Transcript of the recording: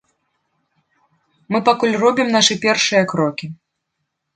Мы пакуль робім нашы першыя крокі.